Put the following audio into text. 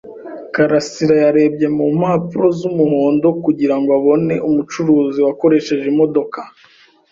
Karasirayarebye mu mpapuro z'umuhondo kugira ngo abone umucuruzi wakoresheje imodoka.